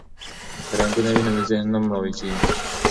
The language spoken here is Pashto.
که رنګونه وي نو ذهن نه مړاوی کیږي.